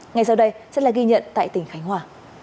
ngay sau đây sẽ là ghi nhận tại tỉnh khánh hòa